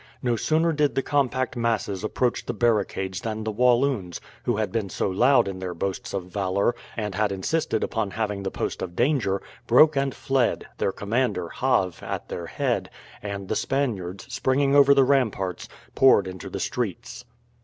No sooner did the compact masses approach the barricades than the Walloons, who had been so loud in their boasts of valour, and had insisted upon having the post of danger, broke and fled, their commander, Havre, at their head; and the Spaniards, springing over the ramparts, poured into the streets.